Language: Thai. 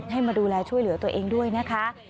ให้มาดูแลช่วยเหลือตัวเองด้วยนะคะ